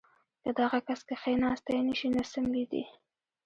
کۀ دغه کس کښېناستے نشي نو څملي دې